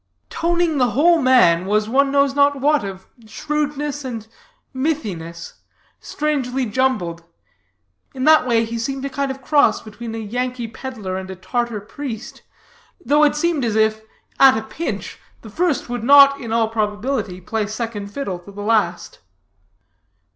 Toning the whole man, was one knows not what of shrewdness and mythiness, strangely jumbled; in that way, he seemed a kind of cross between a Yankee peddler and a Tartar priest, though it seemed as if, at a pinch, the first would not in all probability play second fiddle to the last.